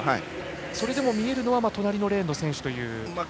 それでも見えるのは隣のレーンの選手という。